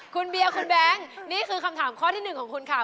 คุณเบียร์คุณแบงค์นี่คือคำถามข้อที่๑ของคุณค่ะ